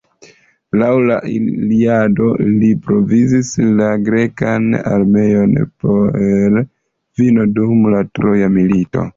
Laŭ la Iliado, li provizis la grekan armeon per vino dum la troja milito.